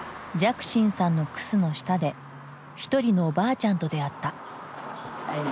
寂心さんのクスの下で一人のおばあちゃんと出会った。